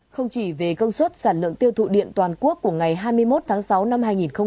không chỉ về công suất sản lượng tiêu thụ điện toàn quốc của ngày hai mươi một tháng sáu năm hai nghìn hai mươi